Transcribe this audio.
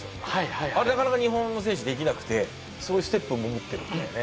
あれなかなか日本の選手できなくてそういうステップも持ってるんだよね。